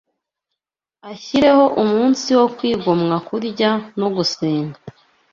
ashyireho umunsi wo kwigomwa kurya no gusenga